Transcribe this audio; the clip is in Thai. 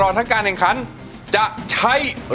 ก็คือร้องให้เหมือนเพลงเมื่อสักครู่นี้